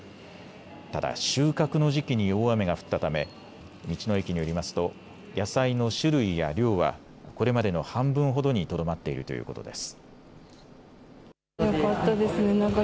ただ収穫の時期に大雨が降ったため道の駅によりますと野菜の種類や量はこれまでの半分ほどにとどまっているということです。